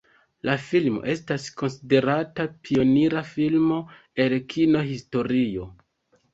La filmo estas konsiderata pionira filmo el kino-historio.